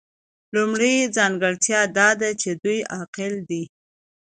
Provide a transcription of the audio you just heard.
لومړۍ ځانګړتیا دا ده چې دوی عاقل دي.